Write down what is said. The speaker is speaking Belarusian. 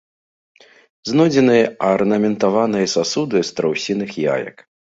Знойдзены арнаментаваныя сасуды з страусіных яек.